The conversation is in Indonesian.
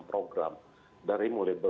program dari mulai